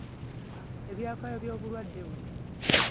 Ebyafaayo by’obulwadde buno.